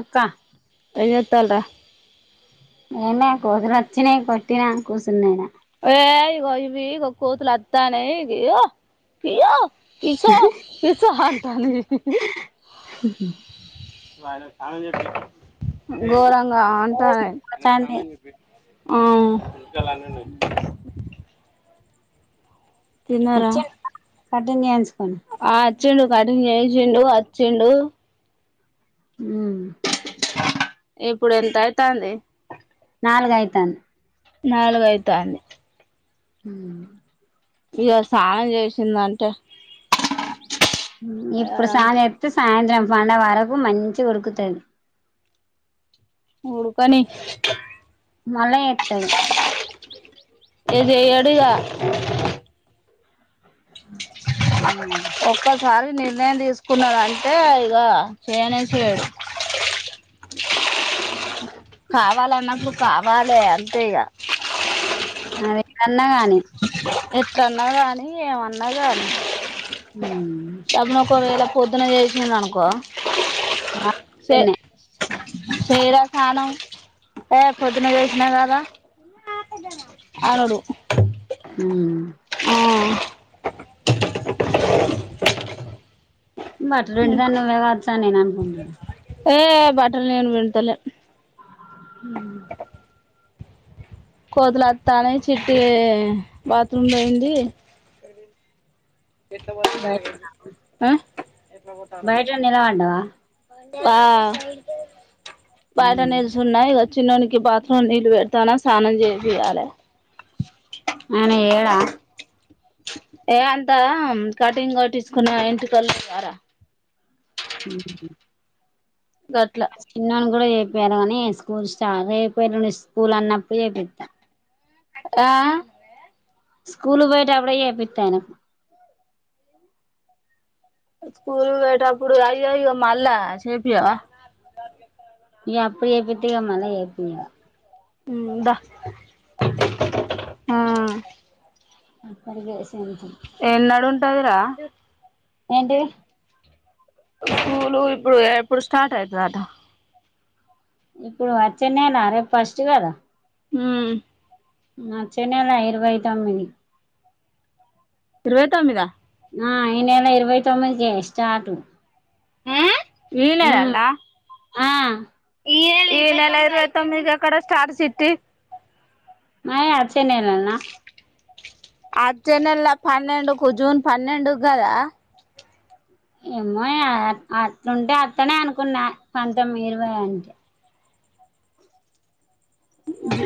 అక్క తల ఏం యే కూతురు వచ్చిన యే కొట్టినా కుసున ఇడ ఏ ఇగో ఇవి ఇగ కోతులు ఒత్తానయి కీయో కీయో ఇసో ఇసో హంటానయి వా గోరంగా ఆ అంటా ఆ తాన్ని చాలనే వున్నాయి తిన్నారా కటింగేంచు ఆద్ చ్చిండు కటింగ్ చేయిచిండు వచ్చిండు ఇప్పుడు ఎంత అయితాంది నాలుగైతాంది నాలుగైతాంది హు ఇగ సానం చేసిందంటే ఇప్పుడు అదంతా సాలేత్తే సాయంత్రం మన వరకు మంచిగా ఉడుకుతది ఉడ్కని మల్ల చెప్తడు ఏ చెయ్యడిగా ఆ సారి నిర్ణయం తీసుకున్నాడు అంటే ఇగ చేయనే చేయడు కావాలన్నప్పు కావాలే అంతే ఇగా అవేమి కాదు న్నా గాని ఎట్ల అన్నా కానీ ఏమన్నా కానీ అవును ఒక వేలా పొద్దున చేసింది అనుకో మా [inaudible] చే కన్నే చేయరా స్నానం ఏ పొద్దున్న చేసినా కదా అనడు ఆ బట్ రెండు ఇంక దాన్ని నువ్వేవత్తా నేను అనుకుంటున్నాను ఏ బట్టలు నేను విండుతలే హ్మ్ కోతులోత్తానయ్ చిట్టీ బాత్రూమ్లో ఎంది ఎట్ల బయ బోతళ్ళగే అ ఎట్లా బోతానళ్ళ బయట కింద నిలబడ్డావా వా బాట నిల్సున్నాయ్గ చిన్నోనికి బాత్రూమ్ ల నీళ్ళు పెడతానా స్నానం చేపియ్యా లే. ఆయనా ఏడా. ఏ అంతా కటింగ్ కొట్టిచుకున్న ఎంటికలు ఉండవార ఉ గట్ల చిన్నోని కూడా చెపియాలె గానీ స్కూల్ స్టార్ట్ రేపు ఎల్లుండి స్కూల్ అన్నప్పుడు చేపిత్త ఆ స్కూల్ కు పోయేటపుడే చెపిత్త ఆయనకు. స్కూల్ కు పోయేటప్పుడు అయ్యో అయ్యో మళ్ళా చేపియ వా ఇగ అప్పుడు చేపిత్తే ఇగ మల్లా చెపియ్యా. ఉమ్ బా ఉ అప్పడిగేస్ ఏన్ నడు ఉంటదిరా ధుష్ ఏంటీ స్కూలు ఇప్పుడు ఎపుడు స్టార్ట్ అయితదట ఇప్పుడు వచ్చనెలా. రేపు ఫస్ట్ కదా. హ్మ అచ్చేనెలా ఇరవై తొమ్మిది. ఇరవై తొమ్మిదా. ఆ ఈ నెల ఇరవై తొమ్మిదికే స్టార్టు. ఊ ఈనెలల్నా ఆ ఈ నెల ఇరవై తొమిది ఎకడ స్టార్ట్ చిట్టి. మయి అచ్చే నెలన్నా. అచ్చే నెలా పన్నెండుకు జూన్ పన్నెండుగ్ గదా ఏమో అట్లుంటే అట్లనే అనుకున్నా పంతొమ్మిది ఇరవై అంటే. అ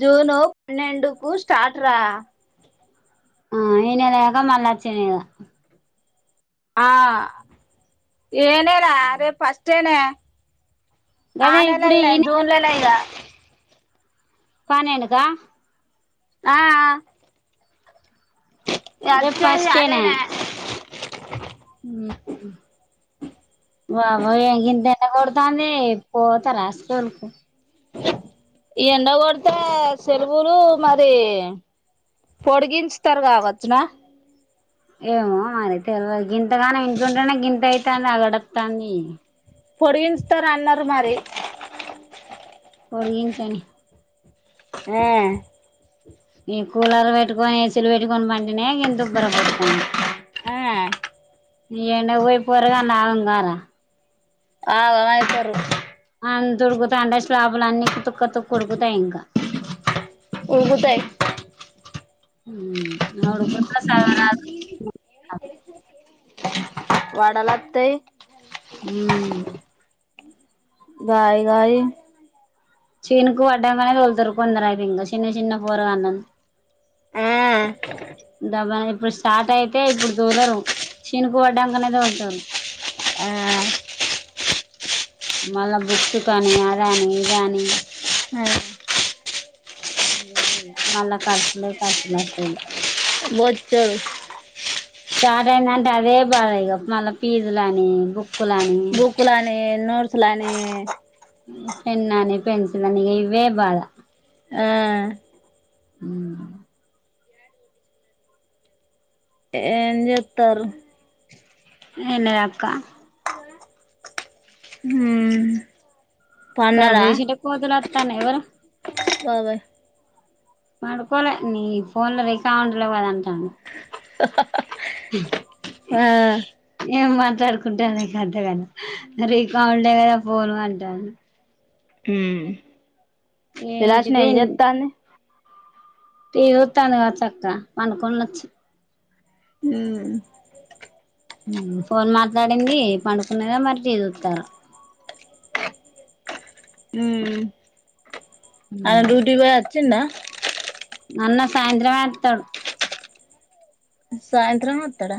జూనూ పన్నెండు కు స్టార్ట్ రా. ఆ ఈ నెల కాక మల్లొచ్చెనెలా. ఆ ఏ నెలా రేప్ ఫస్టే నాయ్ ఆ గదే ఇప్పుడు నెల్లల్నే ఈ నె జూన్లనే ఇగా. పన్నెండుకా అ ఆ ఇగ రేపు అచ్చేదీ అదేనాయ్. మీ వా వయ్య గింత ఎండ గోడతాంది పోత రాసుకోను పు ఈ ఎండగొడితే సెలవులు మరి పొడిగించుతరు కావచ్చునా ఏమో మరి తెలవదు గింతగానం ఇంట్లుంటనే గింత అయితాంది అగడత్తంది పొడిగించుతరు అన్నరు మరి పోడిగించని యే ఈ కూలర్ వేట్టుకొని ఏసీలు వేట్టుకొని పంటనే గింత ఉబ్బర పోత్తంది ఆ ఈ ఎండకు పోయి పోరగాళ్లు ఆగం కారా ఆగం అయితారు అంతుడుకుతాంటే అంటే స్లాపులు అన్ని తుక్క తుక్క ఉడుకుతయ్ ఇంకా ఉడుకుతయ్ ఊ ఆ ఉడుకుట్ల సదువరాదు వడలత్తయ్ ఉమ్ గాయి గాయి చినుకు వడ్డంకనే తోలుతరు కొందరైతే ఇంకా చిన్న చిన్న పోరగాండ్లను ఆ దబ్బనే చే ఇప్పుడు స్టార్ట్ అయితే ఇప్పుడు తోలరు చినుకు వడ్డంకనే తోలుతరు ఆ మళ్ళా బుక్స్ కానీ అదని ఇదని లే ఇగ మళ్ళ ఖర్సులే ఖర్సు లొత్తయిగా [unintelligible] స్టార్ట్ అయిందంటే అదే బాగా ఇగా మళ్ళీ ఫీజులుని బుక్ బుక్కులనే నోడ్స్ లని పెన్నని పెన్సిల్ అని ఇగ ఇవే బాధ ఆ ఊ ఏం చెత్తార్రు నీన్న దక్క ఉమ్ తలుపు తీసింటే కోతులు అత్తనయి ఎవర బాబాయ్ పడుకోలే నీ ఫోన్ల రికామ్ లేవు కాదంటాడు [unintelligible] ఆ ఏం వం [unintelligible] రికాముండై కదా ఫోన్లు అని అంటాడు ఊ విలాసిన ఎం ఏంటిది చేతంది టీవీ చుత్తంది కావచ్చు అక్క పండుకుండొచ్చు ఉమ్ ఊ ఫోన్ మాట్లాడింది పండుకున్నదో మరి టీవీ చూత్తర్రో ఉమ్ ఆయన డ్యూటీ వోయి వచ్చిండా అన్న సాయంత్రం మే వత్తాడు సాయంత్రం మే వత్తాడ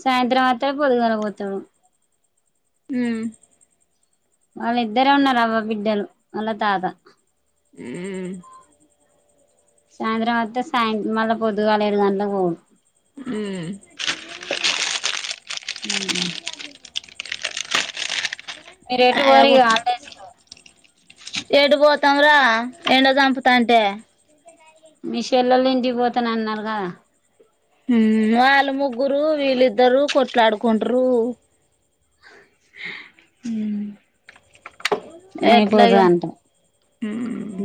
సాయంత్రం వత్తాడు పొదుగాల పోతాడు హుమ్ వాళ్ళిద్దరే ఉన్నారు అవ్వ బిడ్డలు వాళ్ళ తాత సాయంత్రం వత్త సాయి మళ్ళా పొద్దుగాల ఏడు గంటలకు పో మ్మ్ హు మీరు ఎటు పోరు గా హాలిడేస్ కు ఏటు పోతాం రా ఎండ చంపుతాంటే మీ షేల్లలు ఇంటికి పోతా నన్నారు కదా హుమ్ వాళ్ళ ముగ్గురు వీళ్ళద్దరు కొట్లాడ్కండ్రు ఉమ్ ఎట్లాగా ఉమ్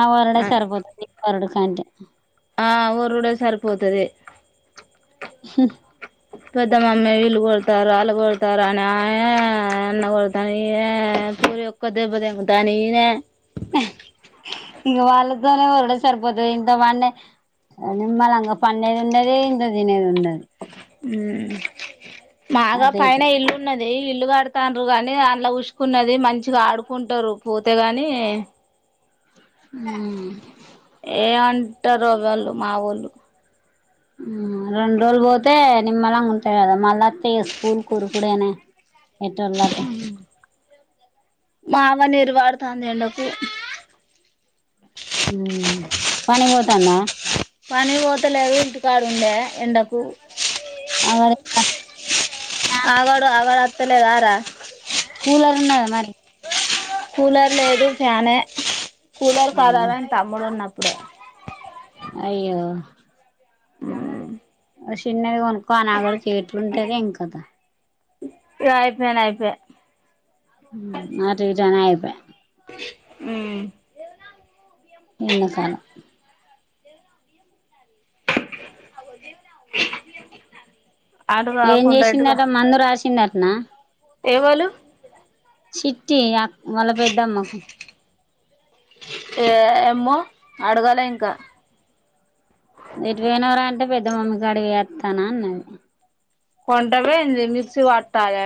ఆ వరడే సరిపోతుది వరుడు కంటే ఆ వూరుడే సరిపోతది హూ పెద్ద మమ్మీ వీళ్ళు కొడతారు వాళ్ళు కొడతారు అని ఆమె అన్న కొడతాను ఈమె పూరి ఒక్క దెబ్బ దెగుతా ఈనే ఇగో వాళ్ళతోనే వరుడే సరిపోతది ఇంత పండే నిమ్మల్ అంగ పండేది ఉండది ఇంత తినేది ఉండది హుమ్ మాగా పైన అదేదే ఇల్లున్నది అదే ఇల్లుగడతారు గాని అండ్ల ఉసుకున్నది మంచిగా ఆడుకుంటారు పోతే గాని ఉమ్ ట్టారు వాళ్ళు మా వొళ్ళు హుమ్ రెండు రోజులు పోతే నిమ్మలంగా ఉంటాయి కదా మళ్ళా తి స్కూల్ కుడు కుడేనే ఎటోళ్ళటు మామ నేరువాడుతంది ఎండకు హమ్మ్ పని వోద్ తందా పని పోతలేదు ఇంటికాడ ఉండే ఎండకు అగడు ఎట్లా అత్త లేదా రా కూలరున్నదా మరి కూలర్ లేదు ఫ్యానే కూలర్ కారాల తమ్ముడున్నప్ ఉడ అయ్యో ఉమ్ ఆ చిన్నది కొనుకో ఆ నాగలి ఎంట్లుంటదొ ఏంకాత ఇగ అయిపోయినైయిన అయిప ఉమ్ అటు ఇటు అనే ఐప్యా ఉమ్మ్ నిన్న కాన అవుో దేవు [unintelligible] ఏం చేసిందట మందు రాసింద నా ఏవలు సిట్టి ఆ వాళ్ళ పెద్దమ్మకు ఏమ్మో అడగలే ఇంకా ఎటుపోయినవ్ రా అంటే పెద్ద మమ్మి కాడికి పోయి ఒత్తానా అన్నది. కొంటవ ఏంది మిక్సి పట్టాలే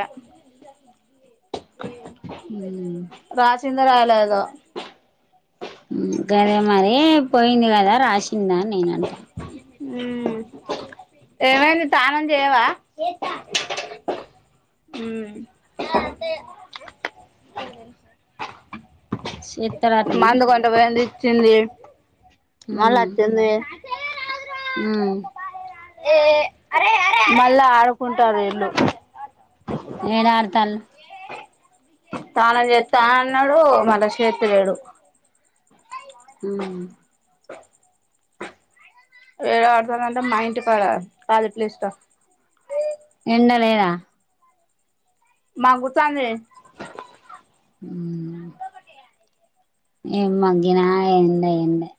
ఊ తిందురాయలేదో. ఉమ్ గదే మరీ పోయింది కదా రాసిందా అని నేనంటా. మ్మ్ ఏమైంది తానం చేయవా చేత్త ఉమ్. చేత్తరటన మందు కొంట పోయింది చింది మల్లచ్చింది ఉ మళ్ళా ఆడుకుంటా వీళ్ళు. ఏడ ఆడతాళ్లు తానం చెత్త అన్నాడు మళ్ళా చేత్తలేడు ఉమ్ ఏడ ఆడతాలంటే మా ఇంటి కాడ ఖాళీ ప్లేస్లా ఎండ లేద మగ్గుతాంది ఊ ఏం మగ్గిన ఎండ ఎండే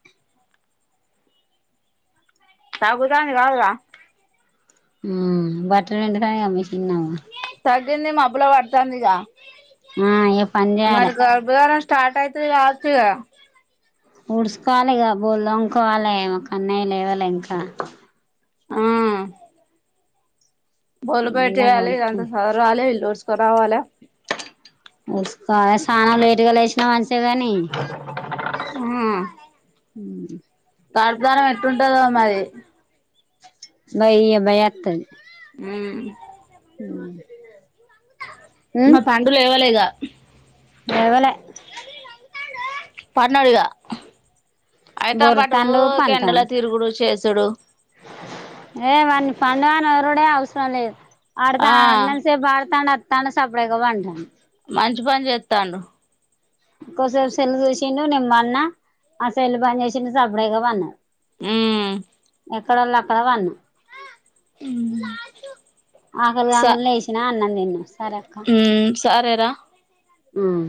తగ్గుతాంది గాదురా ఉమ్ బట్టలు ఎండినాయ మిషీన్ లో తగ్గింది మబ్బులు పడతాంది ఇగ ఆ ఇగ పని చేయలే. మరి గర్భధారణ స్టార్ట్ అయితది గావచ్చు ఇగ. ఊడ్సుుకోవాలిగా బోళ్ళు తోముకోవాలె కన్నయ్య లేవాలె ఇంకా. బోళ్ళు ఎండ బయటేయాలే ఇదంత కొడుతుంది సదరాలే ఇల్లు ఊడ్సుకో వుడ్సుకోవాలే చాన లేటుగా లేసినా మంచి తెగని ఉహూ [unintelligible] ఎట్టుంటందో మరి. బయ్య బయ్య అత్తది. ఉమ్ ఉమ్ మా పండు లేవలే ఇగా లేవలే. పన్నదిగా. అయితాం బటు బొర్రుతాండు ఊకె ఎండల పంటాండు తిరుగుడు చేసు చూడు ఏ వాన్ని పండగని ఎవరుడే అవసరం లేదు ఆడతా ఆ అన్నన్ సేపు ఆడతా తన సప్పుడగా పంటండు మంచి పని చేత్తండు కొంచేపు సెల్లు చూసిండు నే పన్నా ఆ సెల్లు బంద్ చేేసిండు సప్పుడుగా పన్నాడు ఉమ్ ఎక్కడ వోళ్ళు అక్కడ వన్న ఉమ్ ఆకలి కాంగనే లేసిన అన్నం తిన్న ఉమ్ సరే రా ఉమ్